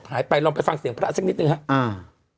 ไปลองไปฟังเสียงพระสักนิดหนึ่งครับอ่า